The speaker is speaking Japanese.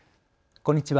こんにちは。